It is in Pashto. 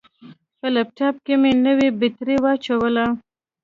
په لپټاپ کې مې نوې بطرۍ واچوله.